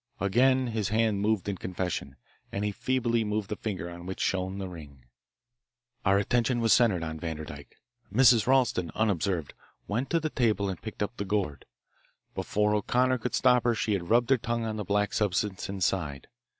Again the hand moved in confession, and he feebly moved the finger on which shone the ring. Our attention was centred on Vanderdyke. Mrs. Ralston, unobserved, went to the table and picked up the gourd. Before O'Connor could stop her she had rubbed her tongue on the black substance inside.